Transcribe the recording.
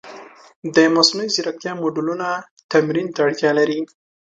د مصنوعي ځیرکتیا موډلونه تمرین ته اړتیا لري.